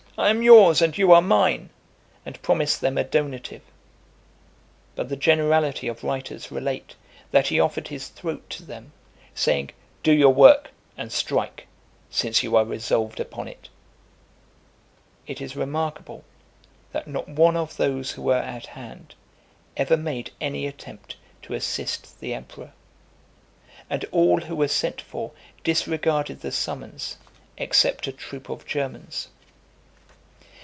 I am yours, and you are mine," and promised them a donative: but the generality of writers relate, that he offered his throat to them, saying, "Do your work, and strike, since you are resolved upon it." It is remarkable, that not one of those who were at hand, ever made any attempt to assist the emperor; and all who were sent for, disregarded the summons, except a troop of Germans.